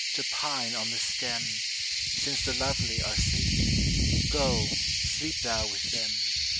To pine on the stem; Since the lovely are sleeping, Go, sleep thou with them.